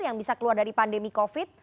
yang bisa keluar dari pandemi covid